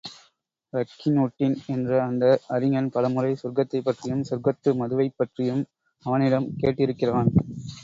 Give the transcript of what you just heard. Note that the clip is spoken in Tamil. ரக்கின் உட்டின் என்ற அந்த அறிஞன் பலமுறை சொர்க்கத்தைப் பற்றியும் சொர்க்கத்து மதுவைப் பற்றியும் அவனிடம் கேட்டிருக்கிறான்.